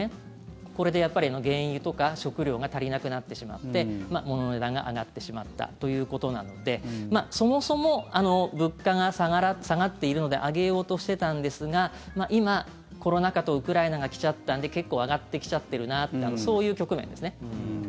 これでやっぱり原油とか食料が足りなくなってしまって物の値段が上がってしまったということなのでそもそも物価が下がっているので上げようとしてたんですが今、コロナ禍とウクライナが来ちゃったんで結構上がってきちゃってるなってそういう局面ですね。